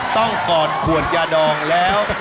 ต้องกอดขวดยาดองแล้ว